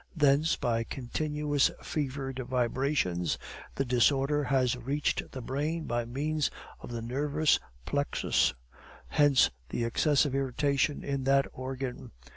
Thence, by continuous fevered vibrations, the disorder has reached the brain by means of the nervous plexus, hence the excessive irritation in that organ.